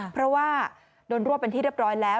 เพราะว่าโดนรวบเป็นที่เรียบร้อยแล้ว